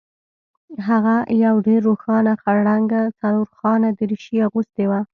هغه یو ډیر روښانه خړ رنګه څلورخانه دریشي اغوستې وه